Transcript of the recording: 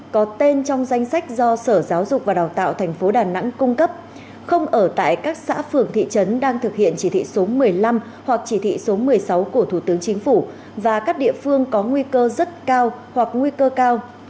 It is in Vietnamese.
có tên trong danh sách do sở giáo dục và đào tạo tp đà nẵng cung cấp không ở tại các xã phường thị trấn đang thực hiện chỉ thị số một mươi năm hoặc chỉ thị số một mươi sáu của thủ tướng chính phủ và các địa phương có nguy cơ rất cao hoặc nguy cơ cao